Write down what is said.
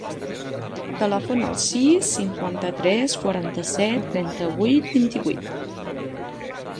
Telefona al sis, cinquanta-tres, quaranta-set, trenta-vuit, vint-i-vuit.